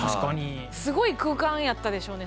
すごい空間やったでしょうね。